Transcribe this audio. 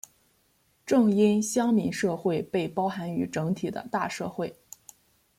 正因乡民社会被包含于整体的大社会。